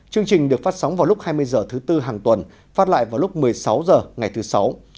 chương trình được phát sóng vào lúc hai mươi h thứ tư hàng tuần phát lại vào lúc một mươi sáu h ngày thứ sáu